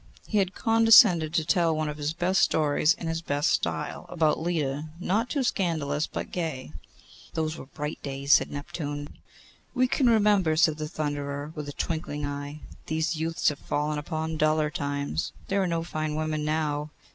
He had condescended to tell one of his best stories in his best style, about Leda, not too scandalous, but gay. 'Those were bright days,' said Neptune. 'We can remember,' said the Thunderer, with a twinkling eye. 'These youths have fallen upon duller times. There are no fine women now.